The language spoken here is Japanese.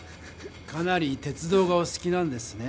かなり鉄道がおすきなんですね？